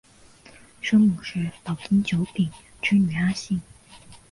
生母是岛津久丙之女阿幸。